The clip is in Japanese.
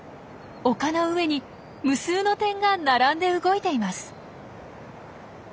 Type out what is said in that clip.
丘の上に無数の点が並んで動いています。